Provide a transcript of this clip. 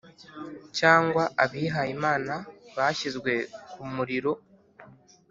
cyangwa abihayimana bashyizwe kumuriro.